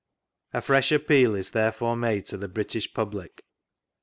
A fresh appeal is therefore made to the British Public.